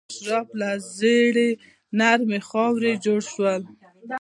اشراف له ژیړې نرمې خاورې جوړ شول.